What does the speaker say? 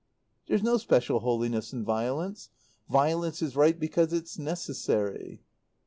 "There's no special holiness in violence. Violence is right because it's necessary."